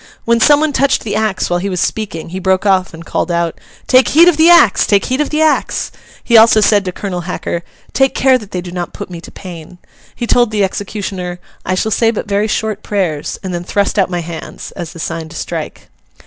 When some one touched the axe while he was speaking, he broke off and called out, 'Take heed of the axe! take heed of the axe!' He also said to Colonel Hacker, 'Take care that they do not put me to pain.' He told the executioner, 'I shall say but very short prayers, and then thrust out my hands'—as the sign to strike.